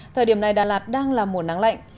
thời điểm này đà lạt đang là mùa nắng lạnh